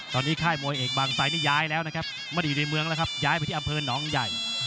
ตอนนี้ค่ายมวยเอกบางไซดนี่ย้ายแล้วนะครับไม่ได้อยู่ในเมืองแล้วครับย้ายไปที่อำเภอหนองใหญ่